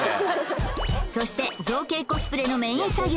そして造形コスプレのメイン作業